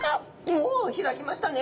おお開きましたね。